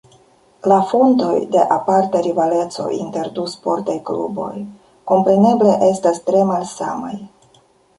La fontoj de aparta rivaleco inter du sportaj kluboj kompreneble estas tre malsamaj.